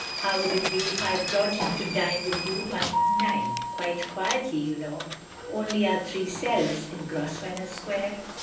How would it be if I brought him to dine with you one night, quite quietly, you know, only our three selves — in Grosvenor Square?"